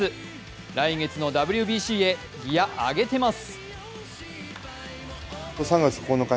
来月のＷＢＣへ、ギヤ上げてます。